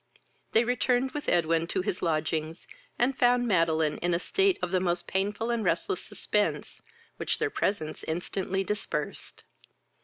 They returned with Edwin to his lodgings, and found Madeline in a state of the most painful and restless suspense, which their presence instantly dispersed.